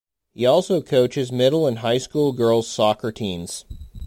He also coaches middle and high school girls soccer teams.